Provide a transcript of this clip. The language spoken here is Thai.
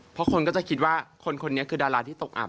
เพราะคนก็จะคิดว่าคนคนนี้คือดาราที่ตกอับ